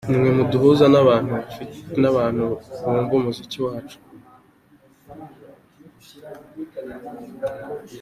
Ni mwe muduhuza n’abantu bumva umuziki wacu.